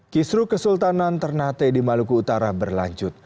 kisru kesultanan ternate di maluku utara berlanjut